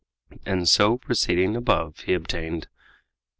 And so proceeding as above, he obtained.